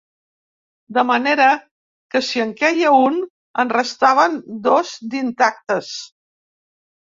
De manera que si en queia un, en restaven dos d’intactes.